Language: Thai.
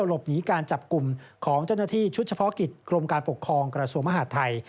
หลบหนีการจับกลุ่มของเจ้าหน้าที่ชุดเฉพาะกิจกรมการปกครองกระทรวงมหาดไทย